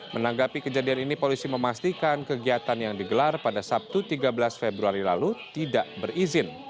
menanggapi kejadian ini polisi memastikan kegiatan yang digelar pada sabtu tiga belas februari lalu tidak berizin